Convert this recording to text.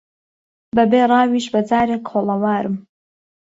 بە بێ ڕاویش بەجارێک کۆڵەوارم